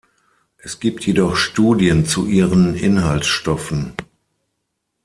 Es gibt jedoch Studien zu ihren Inhaltsstoffen.